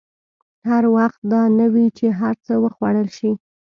هر وخت دا نه وي چې هر څه وخوړل شي.